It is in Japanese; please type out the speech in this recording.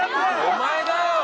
お前だよ！